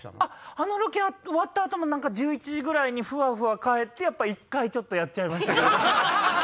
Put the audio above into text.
あのロケ終わった後も１１時ぐらいにふわふわ帰って１回ちょっとやっちゃいました。